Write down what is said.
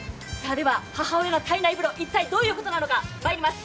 母親の胎内風呂、一体どういうことなのか、まいります。